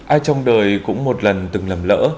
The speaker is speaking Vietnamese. ai trong đời cũng một lần từng làm lỡ